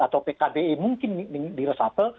atau pkde mungkin diresapel